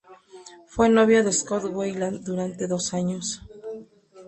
Fue novia de Scott Weiland durante dos años.